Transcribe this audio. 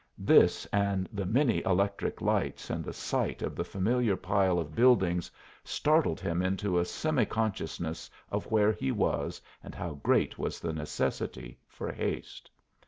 This, and the many electric lights and the sight of the familiar pile of buildings, startled him into a semi consciousness of where he was and how great was the necessity for haste.